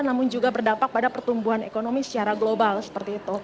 namun juga berdampak pada pertumbuhan ekonomi secara global seperti itu